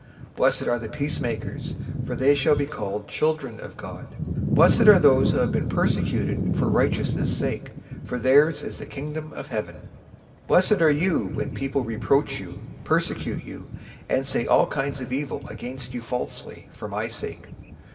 005:009 Blessed are the peacemakers, for they shall be called children of God. 005:010 Blessed are those who have been persecuted for righteousness' sake, for theirs is the Kingdom of Heaven. 005:011 "Blessed are you when people reproach you, persecute you, and say all kinds of evil against you falsely, for my sake.